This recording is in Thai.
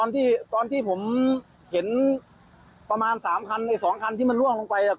ตอนที่ผมเห็นประมาณ๓คันหรือ๒คันที่มันร่วงลงไป